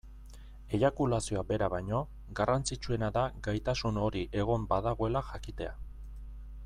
Eiakulazioa bera baino, garrantzitsuena da gaitasun hori egon badagoela jakitea.